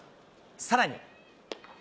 さらに。